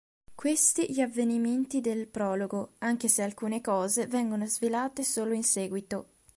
Questi gli avvenimenti del prologo, anche se alcune cose vengono svelate solo in seguito.